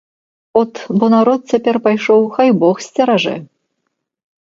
От бо народ цяпер пайшоў, хай бог сцеражэ!